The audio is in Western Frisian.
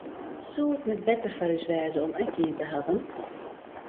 Soe it net better foar ús wêze om ek ien te hawwen?